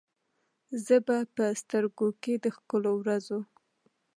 زه به په سترګو کې، د ښکلو ورځو،